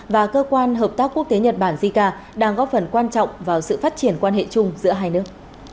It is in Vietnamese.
và cơ quan hợp tác quốc tế nhật bản jica đang góp phần quan trọng vào sự phát triển quan hệ chung giữa hai nước